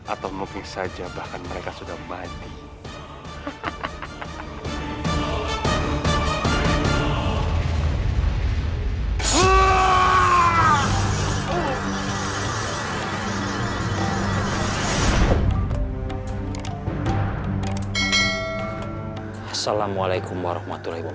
atau mungkin saja bahkan mereka sudah mati